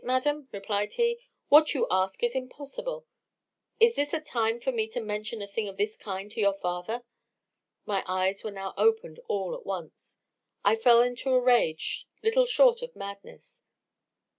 madam!' replied he 'what you ask is impossible. Is this a time for me to mention a thing of this kind to your father?' My eyes were now opened all at once I fell into a rage little short of madness.